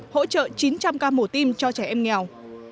hỗ trợ chín trăm linh ca mổ tim cho trẻ em nghèo